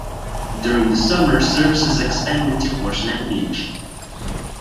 During the summer, service is extended to Horseneck Beach.